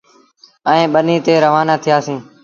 ائيٚݩ ٻنيٚ تي روآنآ ٿيٚآسيٚݩ ۔